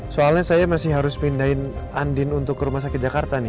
soalnya saya masih harus pindahin andin untuk ke rumah sakit jakarta nih